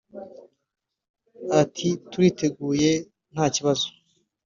ati “Turiteguye nta kibazo